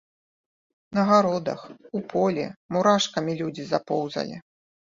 На гародах, у полі мурашкамі людзі запоўзалі.